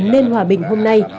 nên hòa bình hôm nay